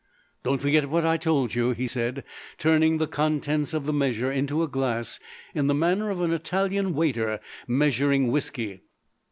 "Don't forget what I told you," he said, turning the contents of the measure into a glass in the manner of an Italian waiter measuring whisky.